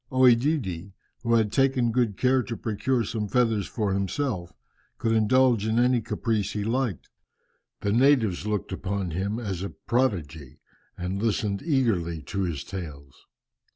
OEdidi, who had taken good care to procure some feathers for himself, could indulge in any caprice he liked. The natives looked upon him as a prodigy, and listened eagerly to his tales.